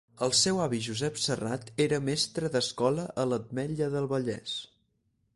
El seu avi Josep Serrat era mestre d'escola a l'Ametlla del Vallès.